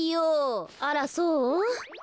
あらそう？